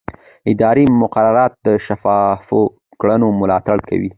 اداري مقررات د شفافو کړنو ملاتړ کوي.